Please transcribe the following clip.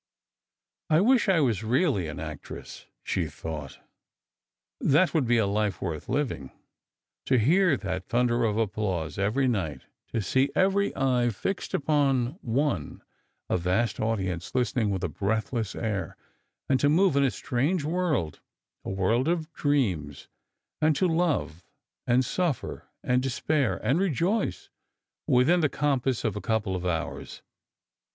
" I wish I were really an actress," she thought ;" that would be a life worth living : to hear that thunder of applause every night, to see every eye fixed upon one, a vast audience Ustening with a breathless air : and to move in a strange world — a world of dreams — and to love, and suffer, and despair, and rejoice, within the compass of a couple of hours.